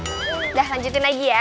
udah lanjutin lagi ya